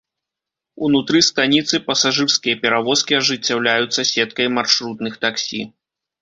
Унутры станіцы пасажырскія перавозкі ажыццяўляюцца сеткай маршрутных таксі.